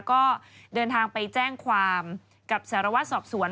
ก็เดินทางไปแจ้งความกับสารวัตรสอบสวน